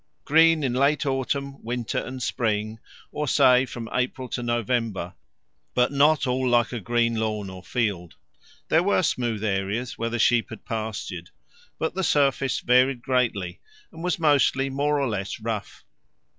Green in late autumn, winter, and spring, or say from April to November, but not all like a green lawn or field: there were smooth areas where sheep had pastured, but the surface varied greatly and was mostly more or less rough.